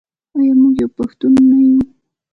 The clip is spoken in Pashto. آیا موږ یو پښتون نه یو؟